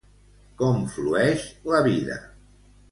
Com flueix la vida?